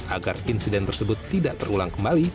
agar insiden tersebut tidak terulang kembali